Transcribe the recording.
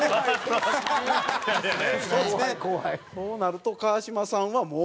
こうなると川島さんはもう。